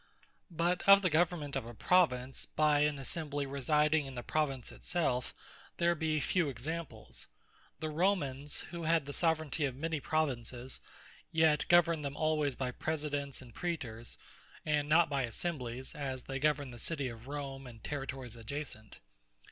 But of the government of a Province, by an Assembly residing in the Province it selfe, there be few examples. The Romans who had the Soveraignty of many Provinces; yet governed them alwaies by Presidents, and Praetors; and not by Assemblies, as they governed the City of Rome, and Territories adjacent.